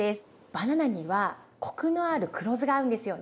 バナナにはコクのある黒酢が合うんですよね。